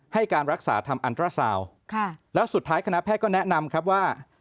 ให้การรักษาทำอันตราซาวแล้วสุดท้ายคณะแพทย์ก็แนะนำครับว่า